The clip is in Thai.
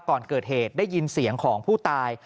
ก่อนเกิดเหตุได้ยินเสียงของผู้ตาย